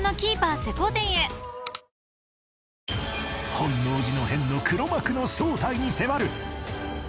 本能寺の変の黒幕の正体に迫る！